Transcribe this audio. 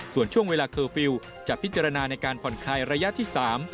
ส่วนช่วงเวลาเคอร์ฟิลล์จะพิจารณาในการผ่อนคลายระยะที่๓